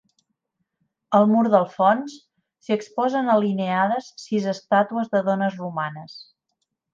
Al mur del fons, s'hi exposen alineades sis estàtues de dones romanes.